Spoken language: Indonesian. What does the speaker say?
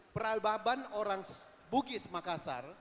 peralbaban orang bugis makassar